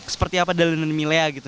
seperti apa dalam dilan dan milea gitu